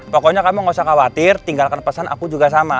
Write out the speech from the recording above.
pokoknya kamu gak usah khawatir tinggalkan pesan aku juga sama